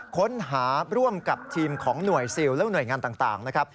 ค้นหาร่วมกับทีมของหน่วยซิลและหน่วยงานต่างนะครับ